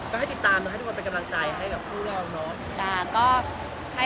ก็ให้ติดตามให้ทุกคนเป็นกำลังใจให้กับผู้ลองเนาะ